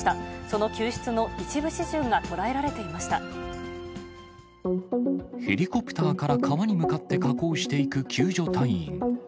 その救出の一部始終が捉えられてヘリコプターから川に向かって下降していく救助隊員。